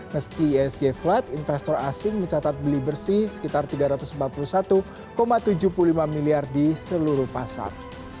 meski isg flat investor asing mencatat beli bersih sekitar tiga ratus empat puluh satu tujuh puluh lima miliar di seluruh pasar